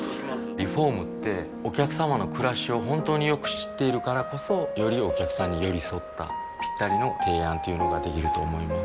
リフォームってお客様の暮らしを本当によく知っているからこそよりお客様に寄り添ったぴったりの提案というのができると思います